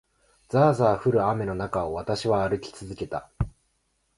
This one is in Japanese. ざあざあ降る雨の中を、私は歩き続けた。